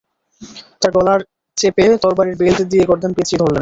তার কলার চেপে তরবারীর বেল্ট দিয়ে গর্দান পেঁচিয়ে ধরলেন।